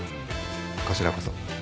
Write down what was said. こちらこそ。